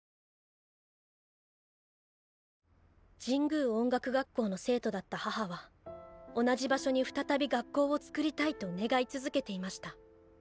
神宮音楽学校の生徒だった母は同じ場所に再び学校をつくりたいと願い続けていました。